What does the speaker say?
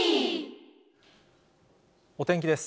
お天気です。